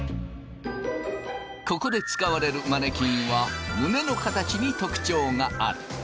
ここで使われるマネキンは胸の形に特徴がある。